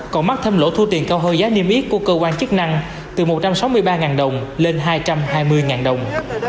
còn mắc thêm lỗ thu tiền cao hơn giá niêm yết của cơ quan chức năng từ một trăm sáu mươi ba đồng lên hai trăm hai mươi đồng